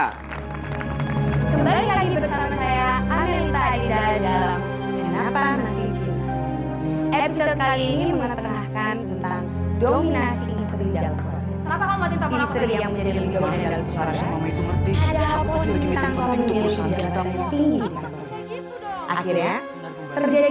kembali lagi bersama saya amelita adinda